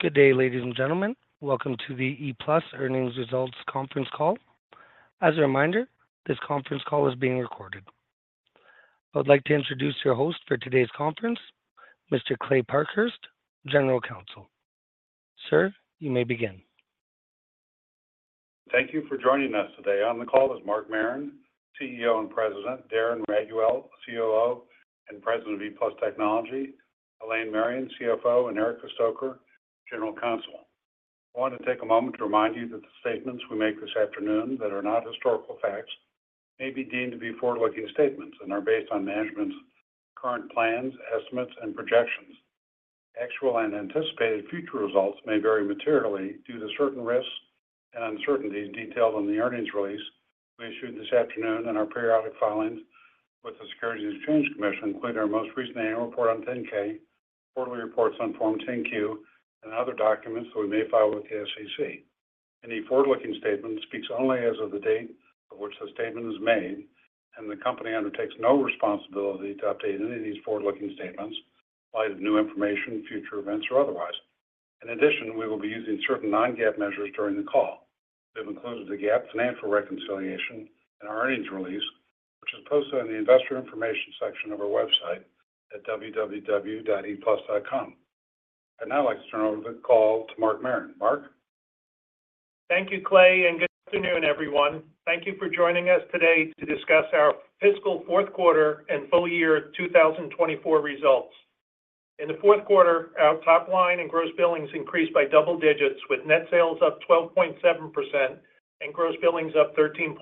Good day, ladies and gentlemen. Welcome to the ePlus earnings results conference call. As a reminder, this conference call is being recorded. I would like to introduce your host for today's conference, Mr. Kley Parkhurst, General Counsel. Sir, you may begin. Thank you for joining us today. On the call is Mark Marron, CEO and President, Darren Raiguel, COO and President of ePlus Technology, Elaine Marion, CFO, and Erica Stoecker, General Counsel. I want to take a moment to remind you that the statements we make this afternoon that are not historical facts may be deemed to be forward-looking statements and are based on management's current plans, estimates, and projections. Actual and anticipated future results may vary materially due to certain risks and uncertainties detailed in the earnings release we issued this afternoon and our periodic filings with the Securities and Exchange Commission, including our most recent annual report on 10-K, quarterly reports on Form 10-Q, and other documents that we may file with the SEC. Any forward-looking statement speaks only as of the date of which the statement is made, and the company undertakes no responsibility to update any of these forward-looking statements in light of new information, future events, or otherwise. In addition, we will be using certain non-GAAP measures during the call. We have included the GAAP financial reconciliation in our earnings release, which is posted on the Investor Information section of our website at www.eplus.com. I'd now like to turn over the call to Mark Marron. Mark? Thank you, Kley, and good afternoon, everyone. Thank you for joining us today to discuss our fiscal fourth quarter and full year 2024 results. In the fourth quarter, our top line and gross billings increased by double digits, with net sales up 12.7% and gross billings up 13.8%.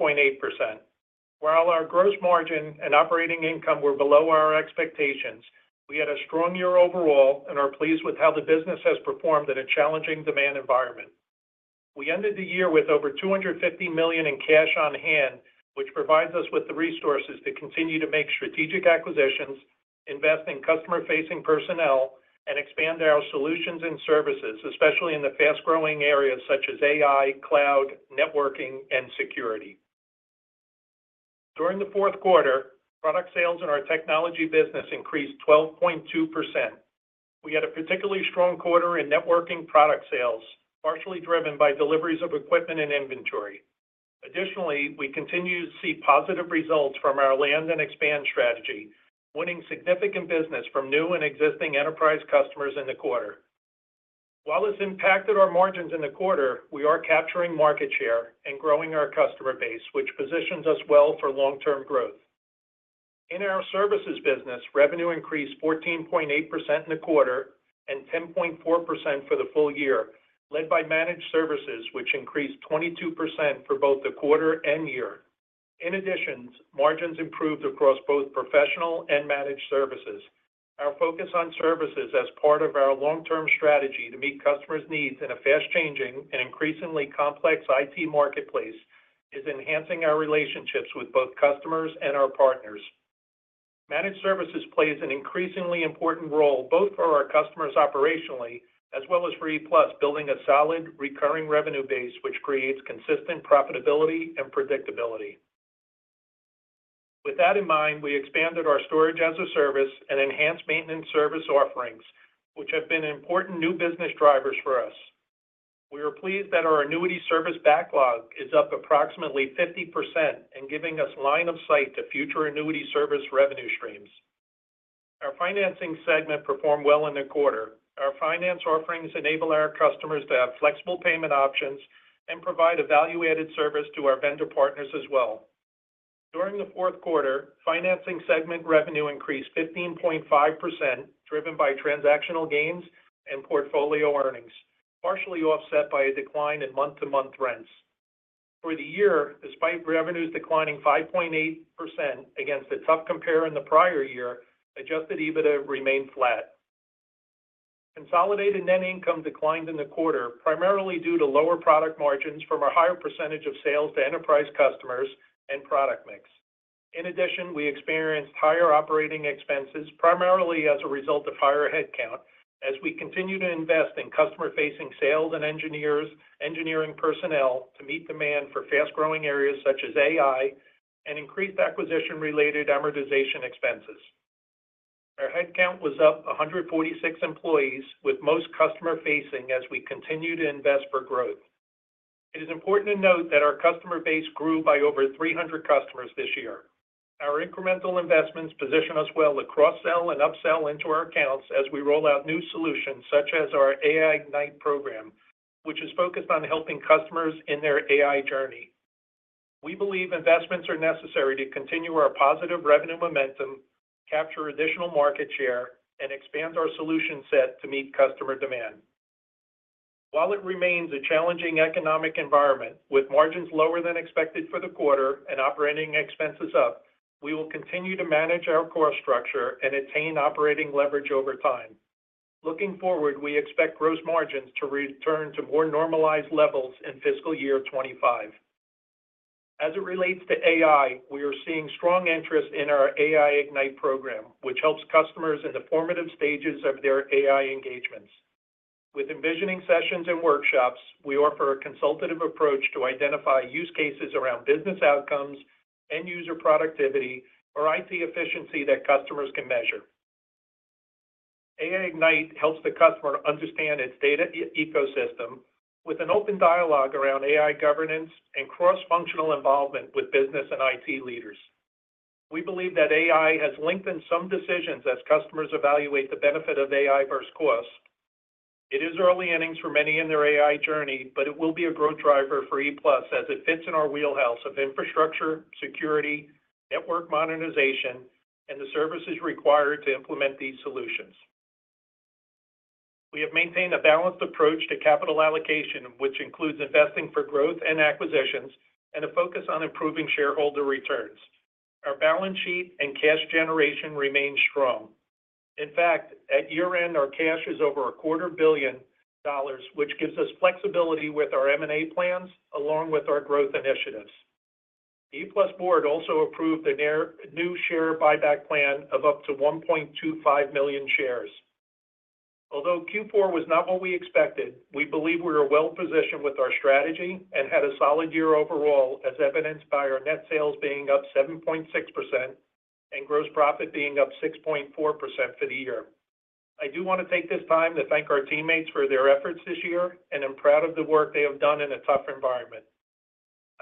While our gross margin and operating income were below our expectations, we had a strong year overall and are pleased with how the business has performed in a challenging demand environment. We ended the year with over $250 million in cash on hand, which provides us with the resources to continue to make strategic acquisitions, invest in customer-facing personnel, and expand our solutions and services, especially in the fast-growing areas such as AI, cloud, networking, and security. During the fourth quarter, product sales in our technology business increased 12.2%. We had a particularly strong quarter in networking product sales, partially driven by deliveries of equipment and inventory. Additionally, we continue to see positive results from our land and expand strategy, winning significant business from new and existing enterprise customers in the quarter. While it's impacted our margins in the quarter, we are capturing market share and growing our customer base, which positions us well for long-term growth. In our services business, revenue increased 14.8% in the quarter and 10.4% for the full year, led by managed services, which increased 22% for both the quarter and year. In addition, margins improved across both professional and managed services. Our focus on services as part of our long-term strategy to meet customers' needs in a fast-changing and increasingly complex IT marketplace is enhancing our relationships with both customers and our partners. Managed Services plays an increasingly important role, both for our customers operationally, as well as for ePlus, building a solid recurring revenue base, which creates consistent profitability and predictability. With that in mind, we expanded our Storage-as-a-Service and enhanced maintenance service offerings, which have been important new business drivers for us. We are pleased that our annuity service backlog is up approximately 50% and giving us line of sight to future annuity service revenue streams. Our financing segment performed well in the quarter. Our finance offerings enable our customers to have flexible payment options and provide a value-added service to our vendor partners as well. During the fourth quarter, financing segment revenue increased 15.5%, driven by transactional gains and portfolio earnings, partially offset by a decline in month-to-month rents. For the year, despite revenues declining 5.8% against a tough compare in the prior year, adjusted EBITDA remained flat. Consolidated net income declined in the quarter, primarily due to lower product margins from a higher percentage of sales to enterprise customers and product mix. In addition, we experienced higher operating expenses, primarily as a result of higher headcount, as we continue to invest in customer-facing sales and engineering personnel to meet demand for fast-growing areas such as AI and increased acquisition-related amortization expenses. Our headcount was up 146 employees, with most customer-facing as we continue to invest for growth. It is important to note that our customer base grew by over 300 customers this year. Our incremental investments position us well to cross-sell and upsell into our accounts as we roll out new solutions, such as our AI Ignite program, which is focused on helping customers in their AI journey. We believe investments are necessary to continue our positive revenue momentum, capture additional market share, and expand our solution set to meet customer demand. While it remains a challenging economic environment, with margins lower than expected for the quarter and operating expenses up, we will continue to manage our cost structure and attain operating leverage over time. Looking forward, we expect gross margins to return to more normalized levels in fiscal year 2025. As it relates to AI, we are seeing strong interest in our AI Ignite program, which helps customers in the formative stages of their AI engagements. With envisioning sessions and workshops, we offer a consultative approach to identify use cases around business outcomes, end user productivity, or IT efficiency that customers can measure. AI Ignite helps the customer understand its data ecosystem with an open dialogue around AI governance and cross-functional involvement with business and IT leaders. We believe that AI has lengthened some decisions as customers evaluate the benefit of AI versus cost. It is early innings for many in their AI journey, but it will be a growth driver for ePlus as it fits in our wheelhouse of infrastructure, security, network modernization, and the services required to implement these solutions. We have maintained a balanced approach to capital allocation, which includes investing for growth and acquisitions and a focus on improving shareholder returns. Our balance sheet and cash generation remain strong. In fact, at year-end, our cash is over $250 million, which gives us flexibility with our M&A plans, along with our growth initiatives. The ePlus board also approved a new share buyback plan of up to 1.25 million shares. Although Q4 was not what we expected, we believe we are well positioned with our strategy and had a solid year overall, as evidenced by our net sales being up 7.6% and gross profit being up 6.4% for the year. I do want to take this time to thank our teammates for their efforts this year, and I'm proud of the work they have done in a tough environment.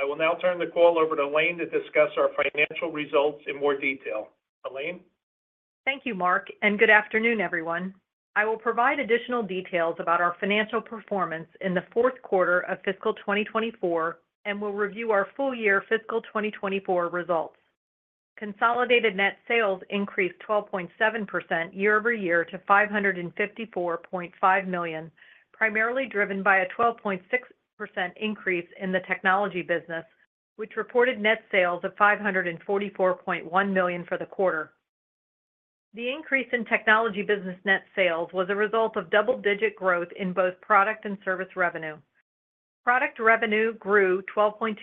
I will now turn the call over to Elaine to discuss our financial results in more detail. Elaine? Thank you, Mark, and good afternoon, everyone. I will provide additional details about our financial performance in the fourth quarter of fiscal 2024, and we'll review our full-year fiscal 2024 results. Consolidated net sales increased 12.7% year-over-year to $554.5 million, primarily driven by a 12.6% increase in the technology business, which reported net sales of $544.1 million for the quarter. The increase in technology business net sales was a result of double-digit growth in both product and service revenue. Product revenue grew 12.2%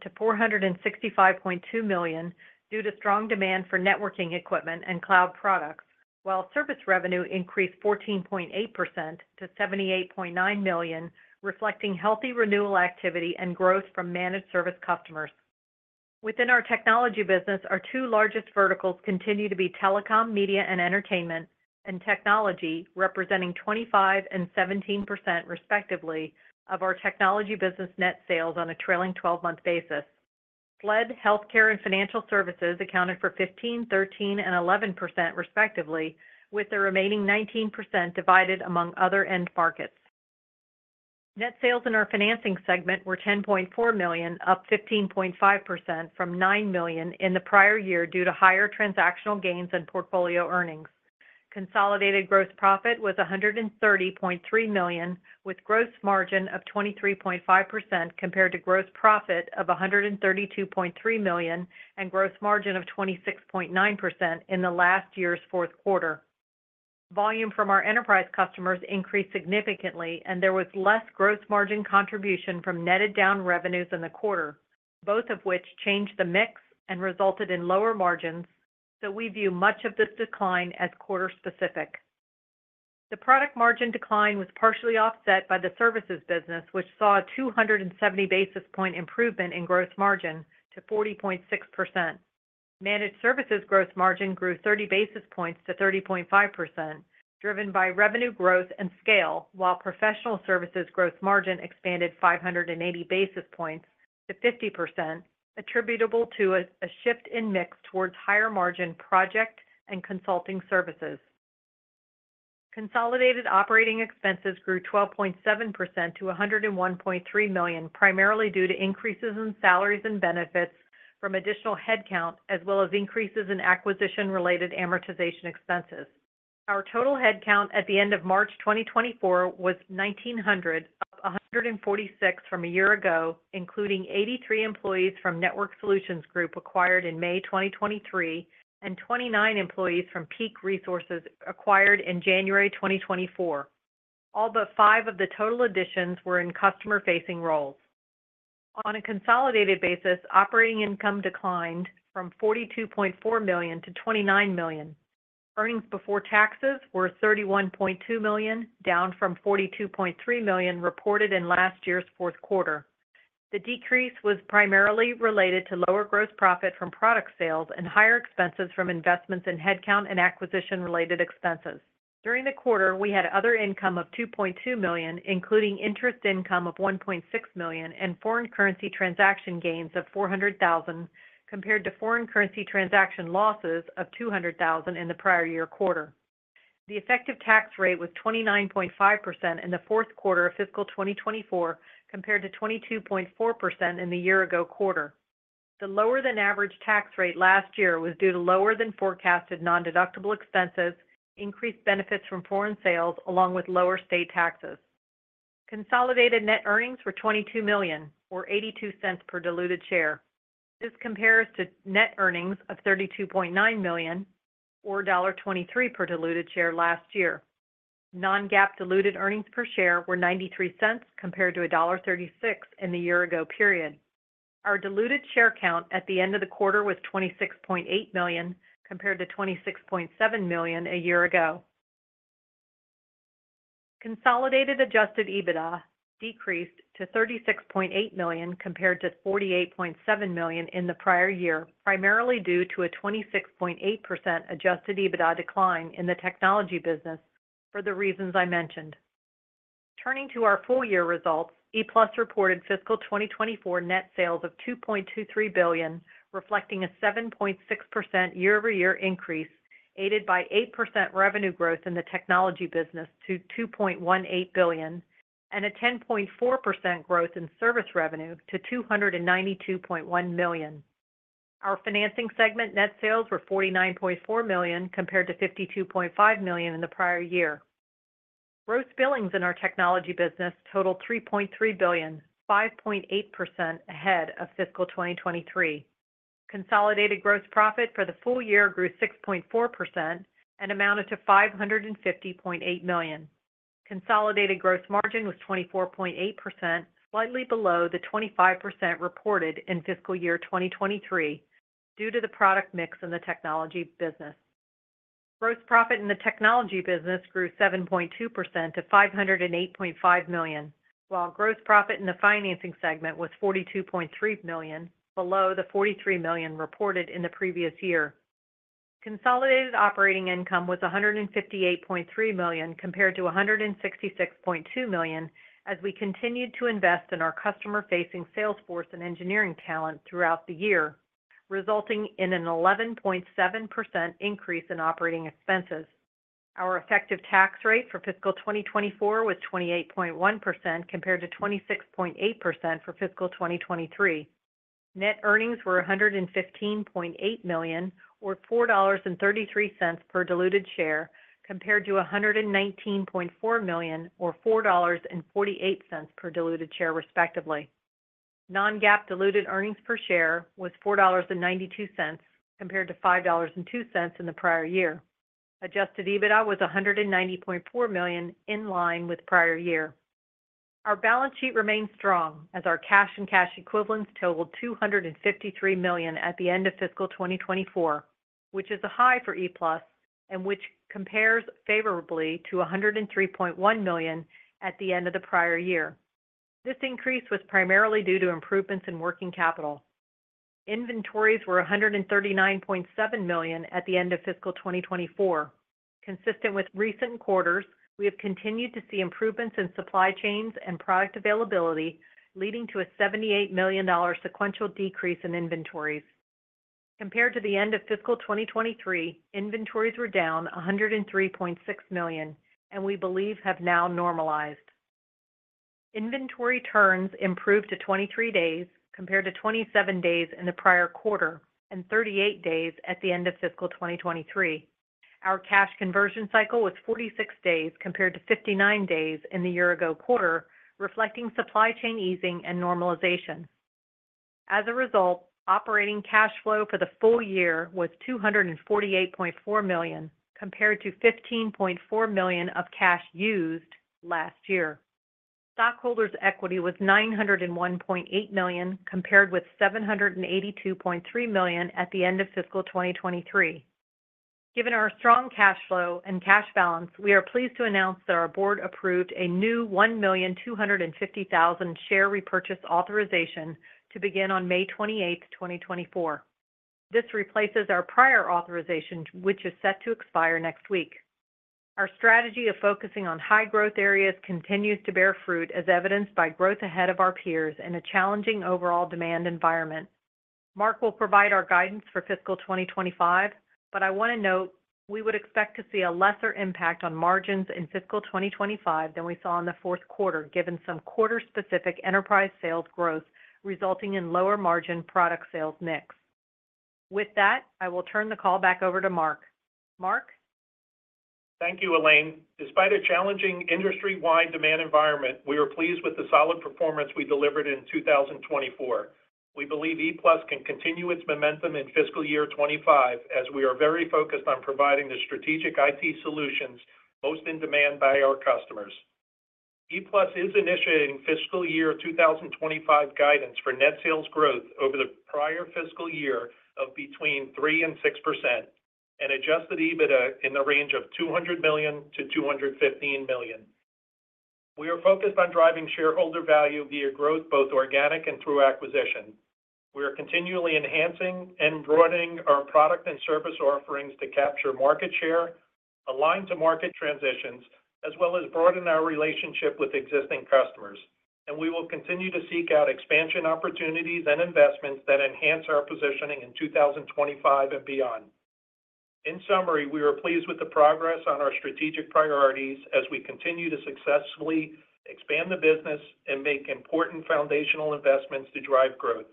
to $465.2 million due to strong demand for networking equipment and cloud products, while service revenue increased 14.8% to $78.9 million, reflecting healthy renewal activity and growth from managed service customers. Within our technology business, our two largest verticals continue to be telecom, media and entertainment, and technology, representing 25% and 17%, respectively, of our technology business net sales on a trailing twelve-month basis. SLED, healthcare and financial services accounted for 15%, 13%, and 11%, respectively, with the remaining 19% divided among other end markets. Net sales in our financing segment were $10.4 million, up 15.5% from $9 million in the prior year due to higher transactional gains and portfolio earnings. Consolidated gross profit was $130.3 million, with gross margin of 23.5% compared to gross profit of $132.3 million and gross margin of 26.9% in the last year's fourth quarter. Volume from our enterprise customers increased significantly, and there was less gross margin contribution from netted down revenues in the quarter, both of which changed the mix and resulted in lower margins, so we view much of this decline as quarter-specific. The product margin decline was partially offset by the services business, which saw a 270 basis point improvement in gross margin to 40.6%. Managed services gross margin grew 30 basis points to 30.5%, driven by revenue growth and scale, while professional services gross margin expanded 580 basis points to 50%, attributable to a shift in mix towards higher-margin project and consulting services. Consolidated operating expenses grew 12.7% to $101.3 million, primarily due to increases in salaries and benefits from additional headcount, as well as increases in acquisition-related amortization expenses. Our total headcount at the end of March 2024 was 1,900, up 146 from a year ago, including 83 employees from Network Solutions Group, acquired in May 2023, and 29 employees from Peak Resources, acquired in January 2024. All but five of the total additions were in customer-facing roles. On a consolidated basis, operating income declined from $42.4 million to $29 million. Earnings before taxes were $31.2 million, down from $42.3 million reported in last year's fourth quarter. The decrease was primarily related to lower gross profit from product sales and higher expenses from investments in headcount and acquisition-related expenses. During the quarter, we had other income of $2.2 million, including interest income of $1.6 million and foreign currency transaction gains of $400,000, compared to foreign currency transaction losses of $200,000 in the prior year quarter. The effective tax rate was 29.5% in the fourth quarter of fiscal 2024, compared to 22.4% in the year-ago quarter. The lower-than-average tax rate last year was due to lower-than-forecasted nondeductible expenses, increased benefits from foreign sales, along with lower state taxes. Consolidated net earnings were $22 million, or $0.82 per diluted share. This compares to net earnings of $32.9 million, or $1.23 per diluted share last year. Non-GAAP diluted earnings per share were $0.93, compared to $1.36 in the year-ago period. Our diluted share count at the end of the quarter was 26.8 million, compared to 26.7 million a year ago. Consolidated Adjusted EBITDA decreased to $36.8 million, compared to $48.7 million in the prior year, primarily due to a 26.8% Adjusted EBITDA decline in the technology business for the reasons I mentioned. Turning to our full year results, ePlus reported fiscal 2024 net sales of $2.23 billion, reflecting a 7.6% year-over-year increase, aided by 8% revenue growth in the technology business to $2.18 billion, and a 10.4% growth in service revenue to $292.1 million. Our financing segment net sales were $49.4 million compared to $52.5 million in the prior year. Gross billings in our technology business totaled $3.3 billion, 5.8% ahead of fiscal 2023. Consolidated gross profit for the full year grew 6.4% and amounted to $550.8 million. Consolidated gross margin was 24.8%, slightly below the 25% reported in fiscal year 2023, due to the product mix in the technology business. Gross profit in the technology business grew 7.2% to $508.5 million, while gross profit in the financing segment was $42.3 million, below the $43 million reported in the previous year. Consolidated operating income was $158.3 million, compared to $166.2 million, as we continued to invest in our customer-facing sales force and engineering talent throughout the year, resulting in an 11.7% increase in operating expenses. Our effective tax rate for fiscal 2024 was 28.1%, compared to 26.8% for fiscal 2023. Net earnings were $115.8 million, or $4.33 per diluted share, compared to $119.4 million, or $4.48 per diluted share, respectively. Non-GAAP diluted earnings per share was $4.92, compared to $5.02 in the prior year. Adjusted EBITDA was $190.4 million, in line with prior year. Our balance sheet remains strong as our cash and cash equivalents totaled $253 million at the end of fiscal 2024, which is a high for ePlus, and which compares favorably to $103.1 million at the end of the prior year. This increase was primarily due to improvements in working capital. Inventories were $139.7 million at the end of fiscal 2024. Consistent with recent quarters, we have continued to see improvements in supply chains and product availability, leading to a $78 million sequential decrease in inventories. Compared to the end of fiscal 2023, inventories were down $103.6 million, and we believe have now normalized. Inventory turns improved to 23 days, compared to 27 days in the prior quarter and 38 days at the end of fiscal 2023. Our cash conversion cycle was 46 days, compared to 59 days in the year ago quarter, reflecting supply chain easing and normalization. As a result, operating cash flow for the full year was $248.4 million, compared to $15.4 million of cash used last year. Stockholders' equity was $901.8 million, compared with $782.3 million at the end of fiscal 2023. Given our strong cash flow and cash balance, we are pleased to announce that our board approved a new 1,250,000 share repurchase authorization to begin on May 28, 2024. This replaces our prior authorization, which is set to expire next week. Our strategy of focusing on high growth areas continues to bear fruit, as evidenced by growth ahead of our peers in a challenging overall demand environment. Mark will provide our guidance for fiscal 2025, but I want to note we would expect to see a lesser impact on margins in fiscal 2025 than we saw in the fourth quarter, given some quarter-specific enterprise sales growth, resulting in lower margin product sales mix. With that, I will turn the call back over to Mark. Mark? Thank you, Elaine. Despite a challenging industry-wide demand environment, we are pleased with the solid performance we delivered in 2024. We believe ePlus can continue its momentum in fiscal year 2025, as we are very focused on providing the strategic IT solutions most in demand by our customers. ePlus is initiating fiscal year 2025 guidance for net sales growth over the prior fiscal year of between 3% and 6%, and adjusted EBITDA in the range of $200 million-$215 million. We are focused on driving shareholder value via growth, both organic and through acquisition. We are continually enhancing and broadening our product and service offerings to capture market share, align to market transitions, as well as broaden our relationship with existing customers, and we will continue to seek out expansion opportunities and investments that enhance our positioning in 2025 and beyond. In summary, we are pleased with the progress on our strategic priorities as we continue to successfully expand the business and make important foundational investments to drive growth.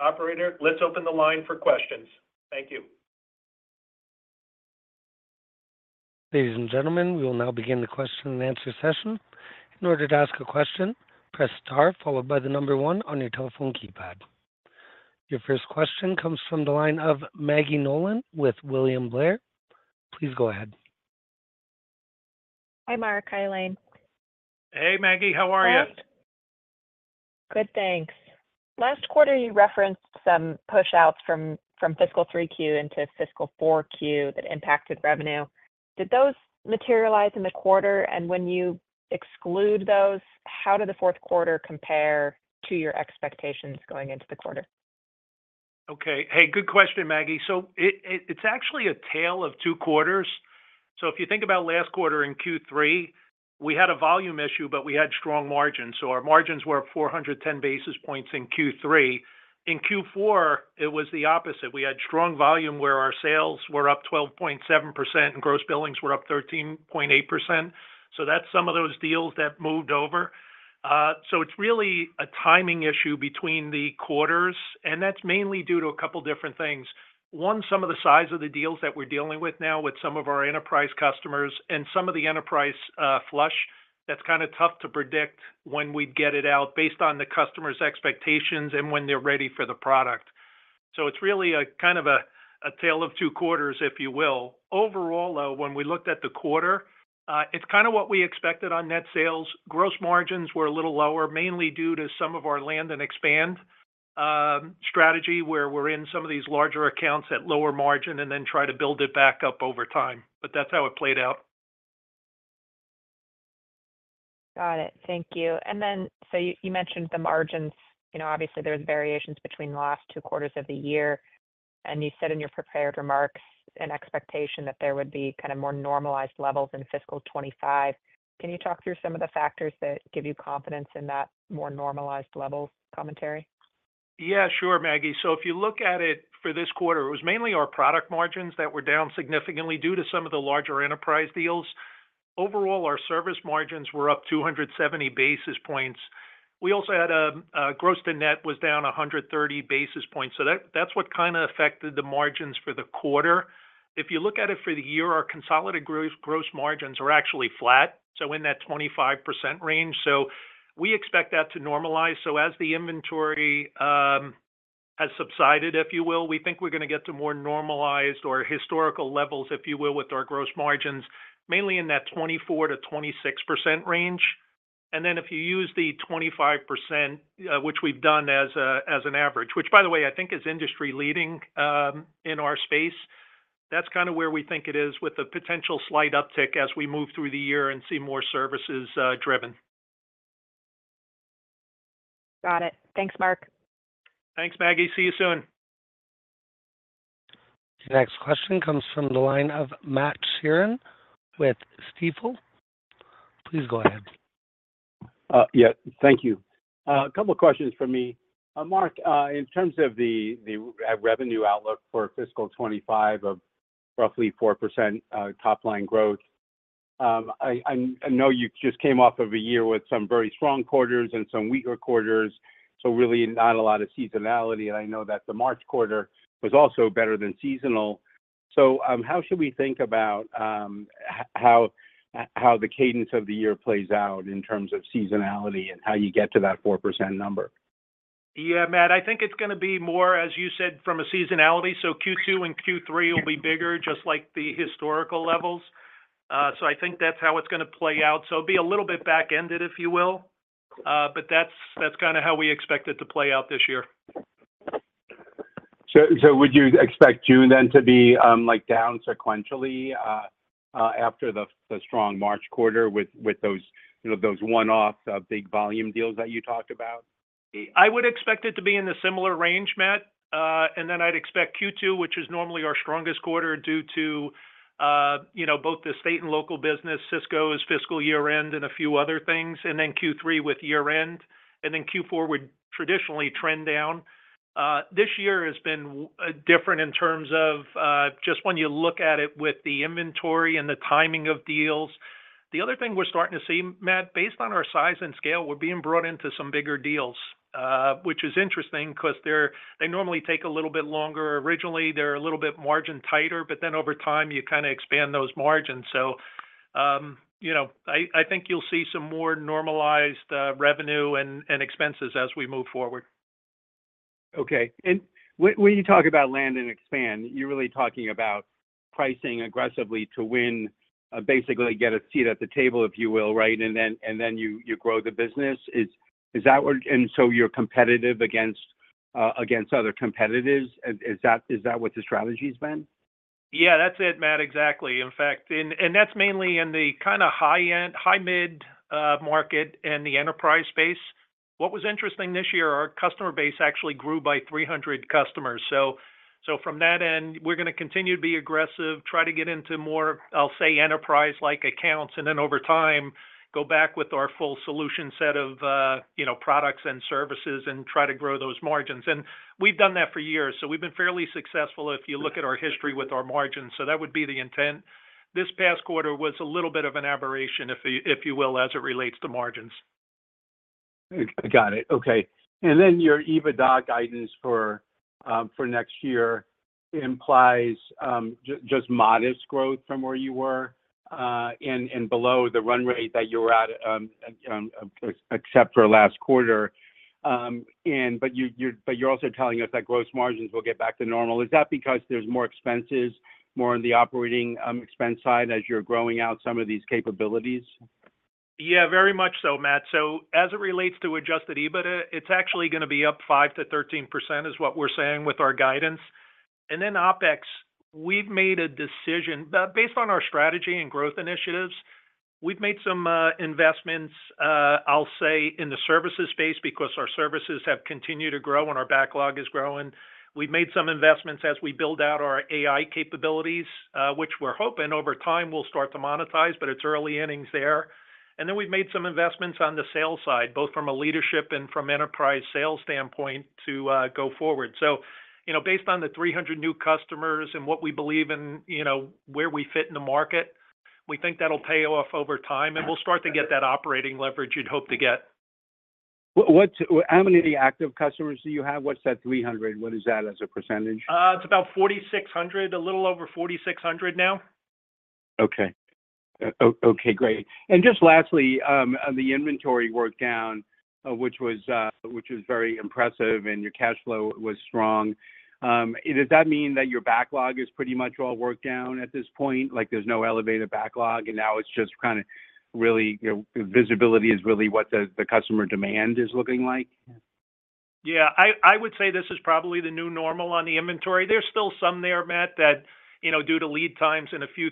Operator, let's open the line for questions. Thank you. Ladies and gentlemen, we will now begin the question and answer session. In order to ask a question, press star followed by the number one on your telephone keypad. Your first question comes from the line of Maggie Nolan with William Blair. Please go ahead. Hi, Mark. Hi, Elaine. Hey, Maggie. How are you?... Good, thanks. Last quarter, you referenced some pushouts from fiscal 3Q into fiscal 4Q that impacted revenue. Did those materialize in the quarter? And when you exclude those, how did the fourth quarter compare to your expectations going into the quarter? Okay. Hey, good question, Maggie. So it's actually a tale of two quarters. So if you think about last quarter in Q3, we had a volume issue, but we had strong margins, so our margins were up 410 basis points in Q3. In Q4, it was the opposite. We had strong volume, where our sales were up 12.7%, and gross billings were up 13.8%. So that's some of those deals that moved over. So it's really a timing issue between the quarters, and that's mainly due to a couple different things. Some of the size of the deals that we're dealing with now with some of our enterprise customers and some of the enterprise flush, that's kinda tough to predict when we'd get it out based on the customer's expectations and when they're ready for the product. So it's really a kind of a tale of two quarters, if you will. Overall, when we looked at the quarter, it's kinda what we expected on net sales. Gross margins were a little lower, mainly due to some of our land and expand strategy, where we're in some of these larger accounts at lower margin and then try to build it back up over time. But that's how it played out. Got it. Thank you. And then, so you mentioned the margins. You know, obviously, there's variations between the last two quarters of the year, and you said in your prepared remarks, an expectation that there would be kind of more normalized levels in fiscal 2025. Can you talk through some of the factors that give you confidence in that more normalized level commentary? Yeah, sure, Maggie. So if you look at it for this quarter, it was mainly our product margins that were down significantly due to some of the larger enterprise deals. Overall, our service margins were up 270 basis points. We also had gross to net was down 130 basis points, so that's what kinda affected the margins for the quarter. If you look at it for the year, our consolidated gross margins are actually flat, so in that 25% range. So we expect that to normalize. So as the inventory has subsided, if you will, we think we're gonna get to more normalized or historical levels, if you will, with our gross margins, mainly in that 24%-26% range. Then if you use the 25%, which we've done as an average, which by the way, I think is industry-leading, in our space, that's kinda where we think it is with a potential slight uptick as we move through the year and see more services driven. Got it. Thanks, Mark. Thanks, Maggie. See you soon. The next question comes from the line of Matt Sheerin with Stifel. Please go ahead. Yeah, thank you. A couple of questions from me. Mark, in terms of the revenue outlook for fiscal 2025 of roughly 4% top line growth, I know you just came off of a year with some very strong quarters and some weaker quarters, so really not a lot of seasonality, and I know that the March quarter was also better than seasonal. So, how should we think about how the cadence of the year plays out in terms of seasonality and how you get to that 4% number? Yeah, Matt, I think it's gonna be more, as you said, from a seasonality. So Q2 and Q3 will be bigger, just like the historical levels. So I think that's how it's gonna play out. So it'll be a little bit back-ended, if you will, but that's, that's kinda how we expect it to play out this year. So, would you expect June then to be like down sequentially after the strong March quarter with those, you know, those one-off big volume deals that you talked about? I would expect it to be in a similar range, Matt. And then I'd expect Q2, which is normally our strongest quarter, due to, you know, both the state and local business, Cisco's fiscal year end and a few other things, and then Q3 with year-end, and then Q4 would traditionally trend down. This year has been different in terms of, just when you look at it with the inventory and the timing of deals. The other thing we're starting to see, Matt, based on our size and scale, we're being brought into some bigger deals, which is interesting because they normally take a little bit longer. Originally, they're a little bit margin tighter, but then over time, you kinda expand those margins. You know, I think you'll see some more normalized revenue and expenses as we move forward. Okay. And when you talk about land and expand, you're really talking about pricing aggressively to win, basically get a seat at the table, if you will, right? And then, and then you, you grow the business. Is, is that what... And so you're competitive against, against other competitors? Is, is that, is that what the strategy has been? Yeah, that's it, Matt. Exactly. In fact, and, and that's mainly in the kinda high-end, high mid-market and the enterprise space. What was interesting this year, our customer base actually grew by 300 customers. So, so from that end, we're gonna continue to be aggressive, try to get into more, I'll say, enterprise-like accounts, and then over time, go back with our full solution set of, you know, products and services and try to grow those margins. And we've done that for years, so we've been fairly successful if you look at our history with our margins. So that would be the intent. This past quarter was a little bit of an aberration, if you, if you will, as it relates to margins. Got it. Okay. And then your EBITDA guidance for next year implies just modest growth from where you were, and below the run rate that you were at, of course, except for last quarter. But you're also telling us that gross margins will get back to normal. Is that because there's more expenses, more on the operating expense side, as you're growing out some of these capabilities?... Yeah, very much so, Matt. So as it relates to Adjusted EBITDA, it's actually gonna be up 5%-13%, is what we're saying with our guidance. And then OpEx, we've made a decision. But based on our strategy and growth initiatives, we've made some investments, I'll say, in the services space, because our services have continued to grow and our backlog is growing. We've made some investments as we build out our AI capabilities, which we're hoping over time will start to monetize, but it's early innings there. And then we've made some investments on the sales side, both from a leadership and from enterprise sales standpoint to go forward. So, you know, based on the 300 new customers and what we believe and, you know, where we fit in the market, we think that'll pay off over time, and we'll start to get that operating leverage you'd hope to get. What? How many active customers do you have? What's that, 300? What is that as a percentage? It's about 4,600, a little over 4,600 now. Okay. Okay, great. And just lastly, on the inventory work down, which was very impressive, and your cash flow was strong. Does that mean that your backlog is pretty much all worked down at this point? Like, there's no elevated backlog, and now it's just kinda really, you know, visibility is really what the, the customer demand is looking like? Yeah, I would say this is probably the new normal on the inventory. There's still some there, Matt, that, you know, due to lead times and a few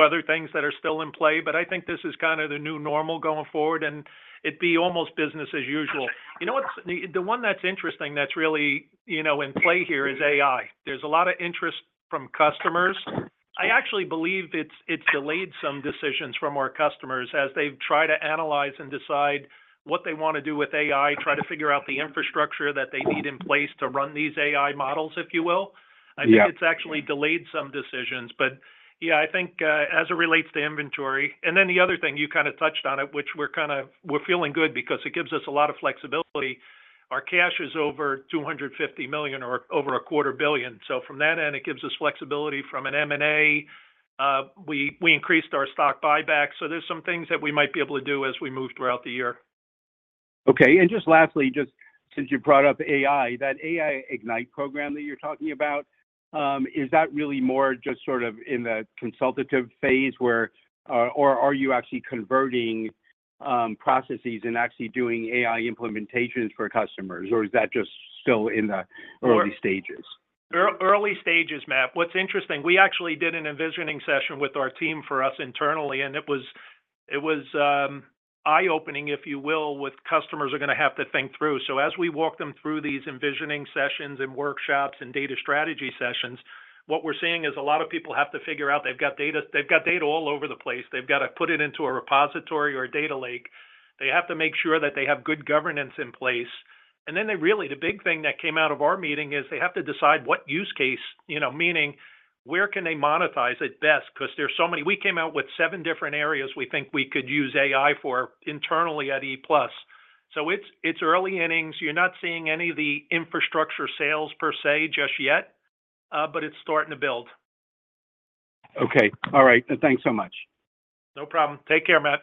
other things that are still in play, but I think this is kind of the new normal going forward, and it'd be almost business as usual. You know what? The one that's interesting, that's really, you know, in play here is AI. There's a lot of interest from customers. I actually believe it's delayed some decisions from our customers as they've tried to analyze and decide what they wanna do with AI, try to figure out the infrastructure that they need in place to run these AI models, if you will. Yeah. I think it's actually delayed some decisions. But yeah, I think, as it relates to inventory— And then the other thing, you kinda touched on it, which we're feeling good because it gives us a lot of flexibility. Our cash is over $250 million or over a quarter billion. So from that end, it gives us flexibility from an M&A. We increased our stock buyback, so there's some things that we might be able to do as we move throughout the year. Okay. And just lastly, just since you brought up AI, that AI Ignite program that you're talking about, is that really more just sort of in the consultative phase, where... or are you actually converting, processes and actually doing AI implementations for customers, or is that just still in the- Well- -early stages? Early stages, Matt. What's interesting, we actually did an envisioning session with our team for us internally, and it was eye-opening, if you will, what customers are gonna have to think through. So as we walk them through these envisioning sessions and workshops and data strategy sessions, what we're seeing is a lot of people have to figure out, they've got data all over the place. They've got to put it into a repository or a data lake. They have to make sure that they have good governance in place. And then they really, the big thing that came out of our meeting is they have to decide what use case, you know, meaning, where can they monetize it best? 'Cause there are so many... We came out with seven different areas we think we could use AI for internally at ePlus. So it's, it's early innings. You're not seeing any of the infrastructure sales per se, just yet, but it's starting to build. Okay. All right. Thanks so much. No problem. Take care, Matt.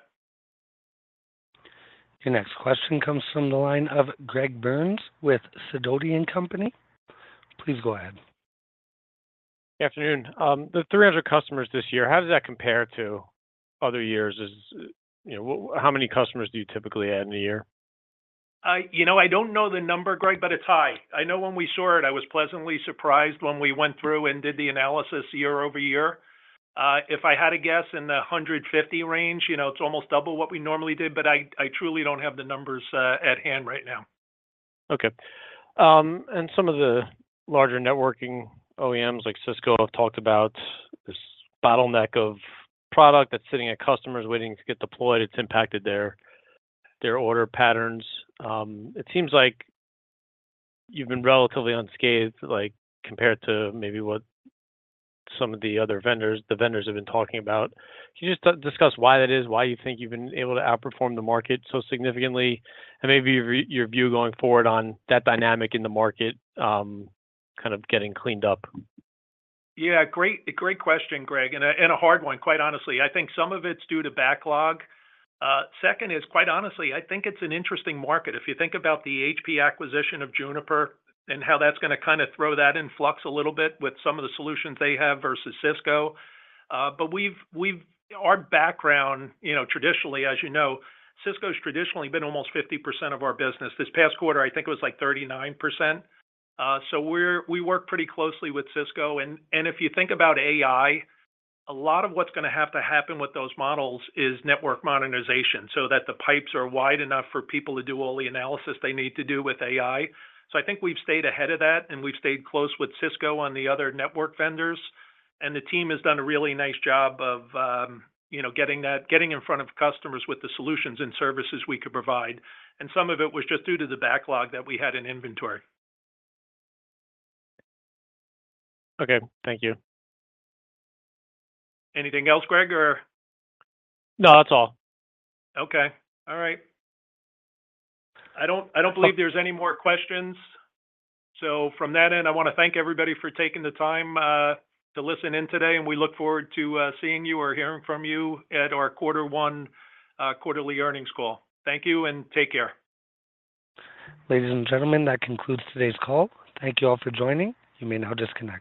Your next question comes from the line of Greg Burns with Sidoti & Company. Please go ahead. Good afternoon. The 300 customers this year, how does that compare to other years? You know, how many customers do you typically add in a year? You know, I don't know the number, Greg, but it's high. I know when we saw it, I was pleasantly surprised when we went through and did the analysis year-over-year. If I had to guess, in the 150 range, you know, it's almost double what we normally did, but I, I truly don't have the numbers at hand right now. Okay. And some of the larger networking OEMs like Cisco have talked about this bottleneck of product that's sitting at customers waiting to get deployed. It's impacted their, their order patterns. It seems like you've been relatively unscathed, like compared to maybe what some of the other vendors, the vendors have been talking about. Can you just discuss why that is, why you think you've been able to outperform the market so significantly, and maybe your, your view going forward on that dynamic in the market, kind of getting cleaned up? Yeah, great, great question, Greg, and a hard one, quite honestly. I think some of it's due to backlog. Second is, quite honestly, I think it's an interesting market. If you think about the HP acquisition of Juniper and how that's gonna kinda throw that in flux a little bit with some of the solutions they have versus Cisco. But we've—our background, you know, traditionally, as you know, Cisco's traditionally been almost 50% of our business. This past quarter, I think it was like 39%. So we work pretty closely with Cisco, and if you think about AI, a lot of what's gonna have to happen with those models is network modernization, so that the pipes are wide enough for people to do all the analysis they need to do with AI. So I think we've stayed ahead of that, and we've stayed close with Cisco on the other network vendors. And the team has done a really nice job of, you know, getting in front of customers with the solutions and services we could provide. And some of it was just due to the backlog that we had in inventory. Okay, thank you. Anything else, Greg, or? No, that's all. Okay. All right. I don't, I don't believe there's any more questions. So from that end, I wanna thank everybody for taking the time, to listen in today, and we look forward to, seeing you or hearing from you at our quarter one, quarterly earnings call. Thank you, and take care. Ladies and gentlemen, that concludes today's call. Thank you all for joining. You may now disconnect.